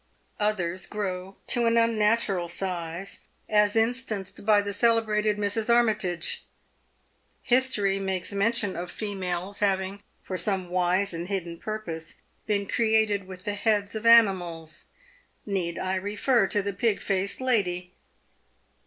Others grow to an unnatural size, as instanced by the celebrated Mrs. Armytage. History makes mention of females having for some wise and hidden purpose been created with the heads of animals. Need I refer to the pig faced lady